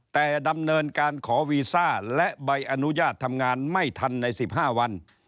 แต่ดำเนินการขอวีซ่าและใบอนุญาตทำงานไม่ทันใน๑๕วัน